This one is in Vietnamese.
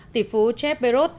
tỷ phú jeff bezos